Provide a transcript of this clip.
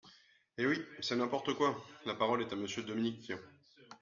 Eh oui ! C’est n’importe quoi ! La parole est à Monsieur Dominique Tian.